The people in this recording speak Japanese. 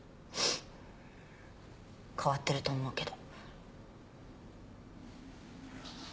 変わってると思うけど。